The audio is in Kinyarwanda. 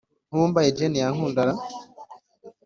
nkubu mbaye jane yankunda ra